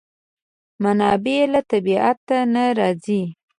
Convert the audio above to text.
منابع له طبیعت نه راځي.